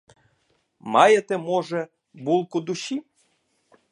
Маєте, може, булку душі?